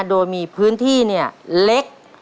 โดยมีพื้นที่เล็ก